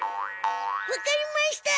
わかりました。